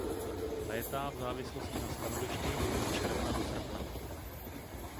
Létá v závislosti na stanovišti od června do srpna.